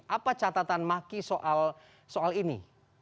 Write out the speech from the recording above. apa catatan maki soal ini